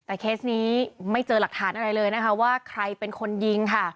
แต่เคสนี้ไม่เจอหลักฐานอะไรเลยนะคะว่าใครเป็นคนยิงค่ะ